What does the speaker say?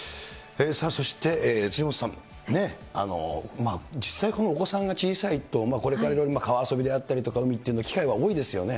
そして辻元さん、実際お子さんが小さいと、これからいろんな川遊びであったりとか、海っていうのは機会は多いですよね。